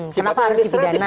kenapa harus dipidana